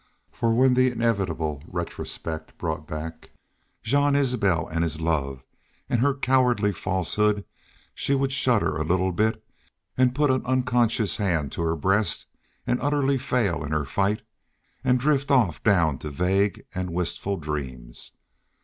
For when the inevitable retrospect brought back Jean Isbel and his love and her cowardly falsehood she would shudder a little and put an unconscious hand to her breast and utterly fail in her fight and drift off down to vague and wistful dreams.